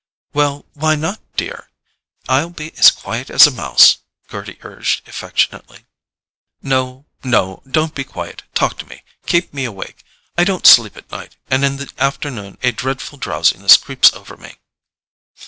"Well, why not, dear? I'll be as quiet as a mouse," Gerty urged affectionately. "No—no; don't be quiet; talk to me—keep me awake! I don't sleep at night, and in the afternoon a dreadful drowsiness creeps over me."